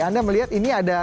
anda melihat ini ada